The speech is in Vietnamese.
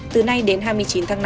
từ nay đến hai mươi chín tháng năm